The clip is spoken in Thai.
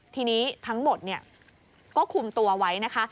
ทีนี้ทั้งหมดก็คุมตัวไว้นะคะ